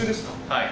はい。